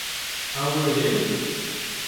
А вы, Левин?